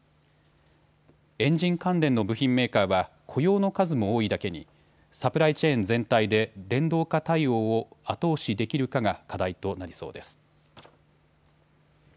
エンジン関連の部品メーカーは雇用の数も多いだけにサプライチェーン全体で電動化対応を後押しできるかが課題となりそうです。